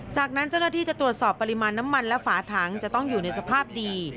จากนั้นเจ้าหน้าที่จะตรวจสอบปริมาณน้ำมันและฝาถังจะต้องอยู่ในสภาพดี